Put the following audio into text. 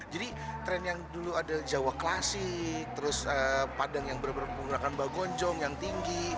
jadi tren yang dulu ada jawa klasik terus padang yang benar benar menggunakan bagonjong yang tinggi